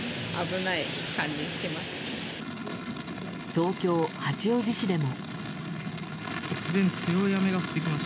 東京・八王子市でも。